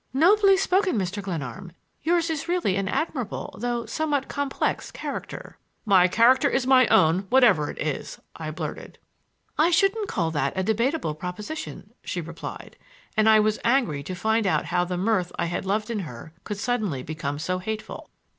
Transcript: "Nobly spoken, Mr. Glenarm! Yours is really an admirable, though somewhat complex character." "My character is my own, whatever it is," I blurted. "I shouldn't call that a debatable proposition," she replied, and I was angry to find how the mirth I had loved in her could suddenly become so hateful.